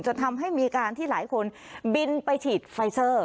จนทำให้มีการที่หลายคนบินไปฉีดไฟเซอร์